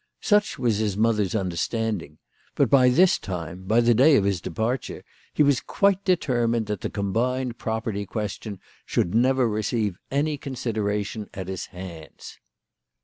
Such was his mother's understand ing ; but by this time, by the day of his departure, he was quite determined that the combined property question should never receive any consideration at his hands.